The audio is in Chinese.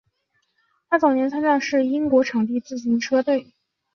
他早年参加的是英国场地自行车队。